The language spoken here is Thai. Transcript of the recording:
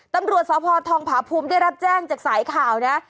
ตำรวจสพทองผาภูมิได้รับแจ้งจากสายข่าวนะ